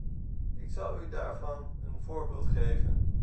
Ik zal u daarvan een voorbeeld geven.